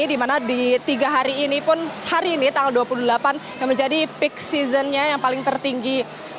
di mana di tiga hari ini pun hari ini tanggal dua puluh delapan yang menjadi peak seasonnya yang paling tertinggi